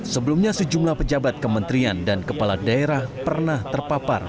sebelumnya sejumlah pejabat kementerian dan kepala daerah pernah terpapar